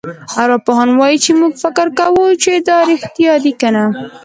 ارواپوهان وايي چې موږ فکر کوو چې دا رېښتیا دي کنه.